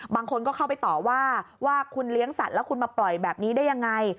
บางคนก็เข้าไปต่อว่าว่าคุณเลี้ยงสัตว์แล้วคุณมาปล่อยแบบนี้ได้ยังไง